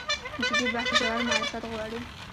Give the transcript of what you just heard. جدي بحث ژور معرفت غواړي.